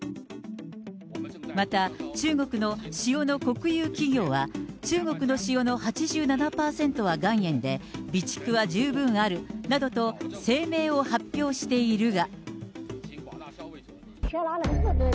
また中国の塩の国有企業は、中国の塩の８７％は岩塩で、備蓄は十分あるなどと声明を発表しているが。